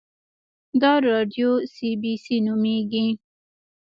دا راډیو سي بي سي نومیږي